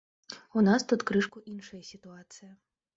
У нас тут крыху іншая сітуацыя.